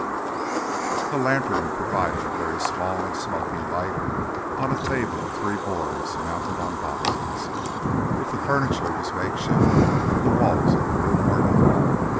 13 A lantern provided a very small and smoky light on a table of three boards mounted on boxes. If the furniture was makeshift, the walls of the room were not.